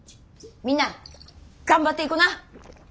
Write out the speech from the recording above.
みんな頑張っていこな。